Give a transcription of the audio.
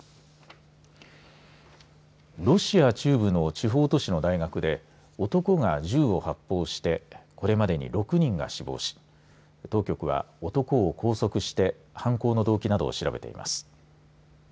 ロシア中部の地方都市の大学で男が銃を発砲してこれまでに６人が死亡し当局は、男を拘束して犯行の動機などを調べています。